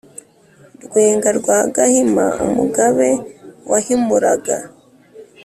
rwenga rwa gahima, umugabe wahimuraga